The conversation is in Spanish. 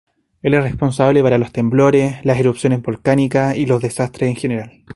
Él es responsable para los temblores, las erupciones volcánicas, y los desastres en general.